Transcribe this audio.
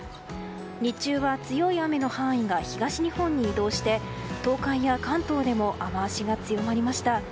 日中は強い雨の範囲が東日本に移動して東海や関東でも雨脚が強まりました。